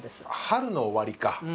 春の終わりか。